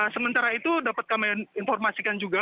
sementara itu dapat kami informasikan juga